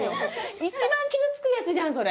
一番傷つくやつじゃんそれ。